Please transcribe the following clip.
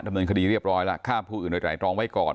ดำเนินคดีเรียบร้อยแล้วฆ่าผู้อื่นโดยไตรรองไว้ก่อน